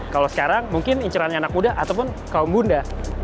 kalau sekarang mungkin incerannya anak muda ataupun kaum bunda